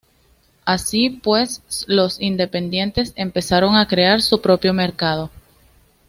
Así pues, los independientes empezaron a crear su propio mercado.